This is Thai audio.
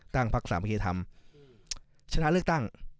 ตั้งพรรคสามคีธรรมชนะเลือกตั้ง